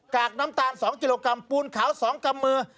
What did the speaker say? กากน้ำตาล๒กิโลกรัมปูนขาว๒กำมือ